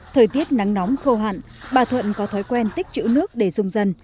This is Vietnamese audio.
thời tiết nắng nóng khô hẳn bà thuận có thói quen tích chữa nước để dùng dần